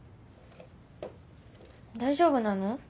大丈夫なの？